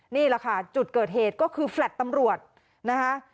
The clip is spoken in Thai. นี่แหละค่ะจุดเกิดเหตุก็คือแฟลต์ตำรวจนะคะ